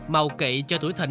màu kỵ cho tuổi thịnh